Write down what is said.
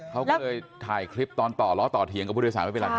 เขาก็เลยถ่ายคลิปตอนต่อล้อต่อเถียงกับผู้โดยสารไว้เป็นหลักฐาน